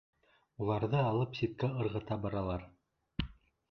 Уларҙы алып ситкә ырғыта баралар.